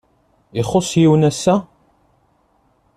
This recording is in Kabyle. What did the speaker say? Ixuṣṣ yiwen ass-a?